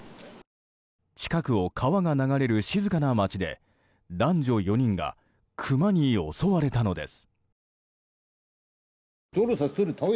近くを川が流れる静かな街で男女４人がクマに襲われたのです。